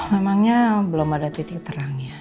memangnya belum ada titik terang ya